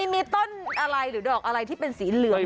มีต้นอะไรหรือดอกอะไรที่เป็นสีเหลือง